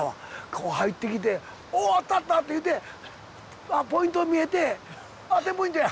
こう入ってきて「おあったあった！」って言うてポイント見えて「あっテンポイントや。